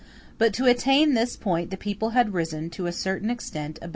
But to attain this point the people had risen, to a certain extent, above itself.